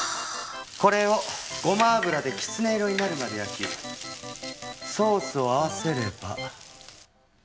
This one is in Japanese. これをごま油できつね色になるまで焼きソースを合わせれば。